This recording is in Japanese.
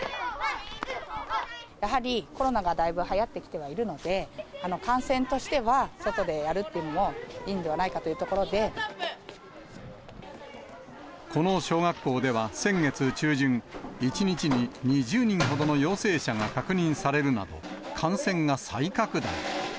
やはり、コロナがだいぶはやってきてはいるので、感染としては外でやるっていうのも、いいんこの小学校では先月中旬、１日に２０人ほどの陽性者が確認されるなど、感染が再拡大。